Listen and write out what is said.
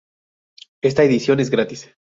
Esta edición es gratis.